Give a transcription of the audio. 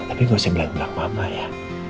tapi gak usah bilang belah mama ya